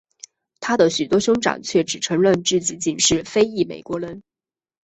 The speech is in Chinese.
他的许多兄长却只承认自己仅是非裔美国人。